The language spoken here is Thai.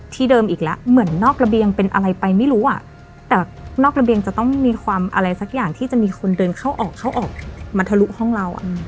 เดิมอีกแล้วเหมือนนอกระเบียงเป็นอะไรไปไม่รู้อ่ะแต่นอกระเบียงจะต้องมีความอะไรสักอย่างที่จะมีคนเดินเข้าออกเข้าออกมาทะลุห้องเรา